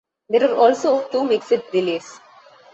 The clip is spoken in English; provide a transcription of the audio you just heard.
There are also two mixed relays.